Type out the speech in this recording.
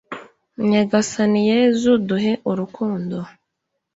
nyagasani yezu, duhe urukundo